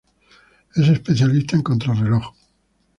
Es especialista en contrarreloj.